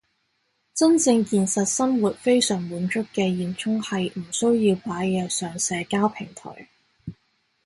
真正現實生活非常滿足嘅現充係唔需要擺嘢上社交平台